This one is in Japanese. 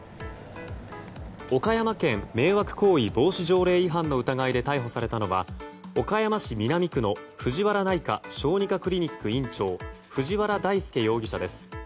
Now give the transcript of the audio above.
岡山県迷惑行為防止条例違反の疑いで逮捕されたのは岡山市南区のふじわら内科・小児科クリニック院長藤原大輔容疑者です。